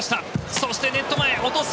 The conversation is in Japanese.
そして、ネット前落とす。